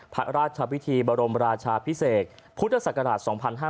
พระราชพิธีบรมราชาพิเศษพุทธศักราช๒๕๕๙